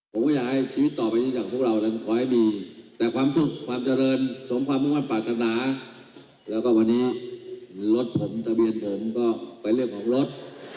ผมก็อยากให้ชีวิตต่อไปนี้อย่างพวกเรานั้นขอให้มีแต่ความสุขความเจริญสมความมุ่งมั่นปรารถนาแล้วก็วันนี้รถผมทะเบียนผมก็เป็นเรื่องของรถ